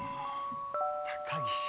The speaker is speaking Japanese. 高岸！